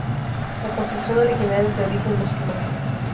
La construcción original es de origen musulmán.